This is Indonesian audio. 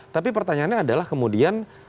tapi pertanyaannya adalah kemudian